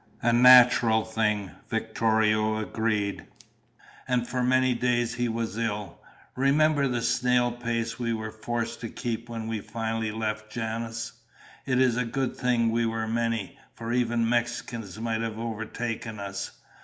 "A natural thing," Victorio agreed, "and for many days he was ill. Remember the snail pace we were forced to keep when we finally left Janos? It is a good thing we were many, for even Mexicans might have overtaken us.